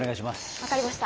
分かりました。